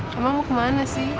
kamu mau kemana sih